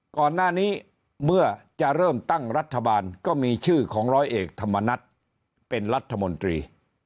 ก่อนหน้านี้เมื่อจะเริ่มตั้งรัฐบาลก็มีชื่อของร้อยเอกธรรมนัฏเป็นรัฐมนตรี